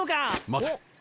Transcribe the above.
待て！